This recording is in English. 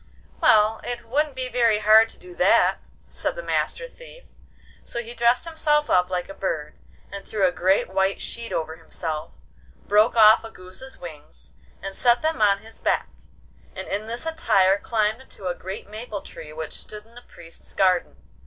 'Well, it wouldn't be very hard to do that,' said the Master Thief. So he dressed himself up like a bird, and threw a great white sheet over himself; broke off a goose's wings, and set them on his back; and in this attire climbed into a great maple tree which stood in the Priest's garden.